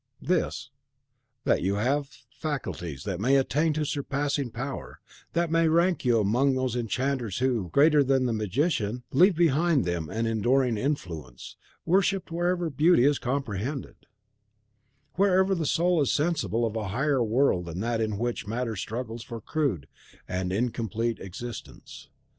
"This: that you have faculties that may attain to surpassing power, that may rank you among those enchanters who, greater than the magian, leave behind them an enduring influence, worshipped wherever beauty is comprehended, wherever the soul is sensible of a higher world than that in which matter struggles for crude and incomplete existence.